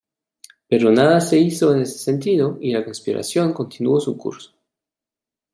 Pero nada se hizo en ese sentido y la conspiración continuó su curso.